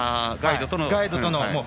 ガイドとの。